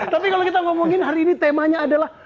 tapi kalau kita ngomongin hari ini temanya adalah